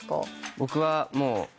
僕はもう。